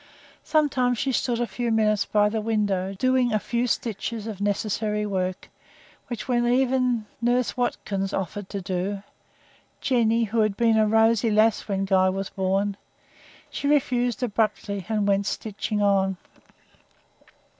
Sometimes she stood a few minutes by the window, doing a few stitches of necessary work, which, when even nurse Watkins offered to do Jenny, who had been a rosy lass when Guy was born she refused abruptly, and went stitching on.